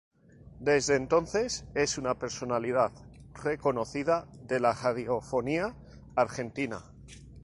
Desde entonces es una personalidad reconocida de la radiofonía argentina.